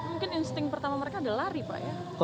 mungkin insting pertama mereka adalah lari pak ya